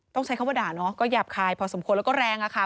ต้องใช้คำว่าด่าเนาะก็หยาบคายพอสมควรแล้วก็แรงอะค่ะ